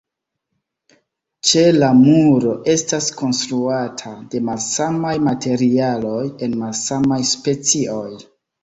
Ĉela muro estas konstruata de malsamaj materialoj en malsamaj specioj.